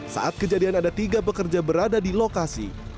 saat kejadian ada tiga pekerja berada di lokasi